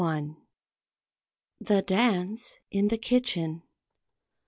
] THE DANCE IN THE KITCHEN.